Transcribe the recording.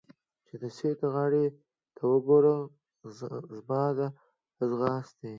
چې د سیند غاړې ته وګورم، زما له ځغاستې.